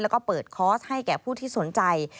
แล้วก็เปิดคอร์สให้แก่ผู้ที่สนใจ